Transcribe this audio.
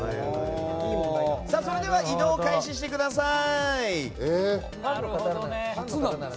それでは移動開始してください。